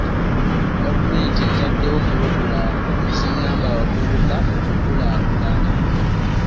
Gavumenti etaddewo pulogulaamu eziyamba abavubuka okukulaakulana.